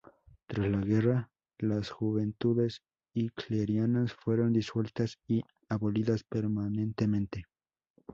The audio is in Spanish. Tras la guerra, las Juventudes Hitlerianas fueron disueltas y abolidas permanentemente.